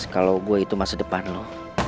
kalau gue itu masa depan loh